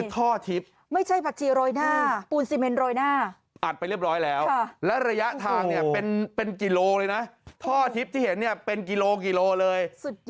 ท่อทิพย์ที่เห็นเป็นกิโลกิโลเลย